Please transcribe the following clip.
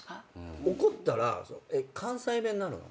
怒ったら関西弁なるの？